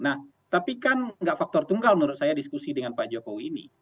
nah tapi kan nggak faktor tunggal menurut saya diskusi dengan pak jokowi ini